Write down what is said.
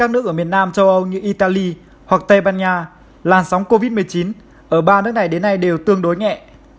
như italy hoặc tây ban nha làn sóng covid một mươi chín ở ba nước này đến nay đều tương đối nhẹ